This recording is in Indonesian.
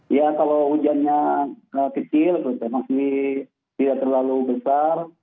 iya kalau hujannya kecil masih tidak terlalu besar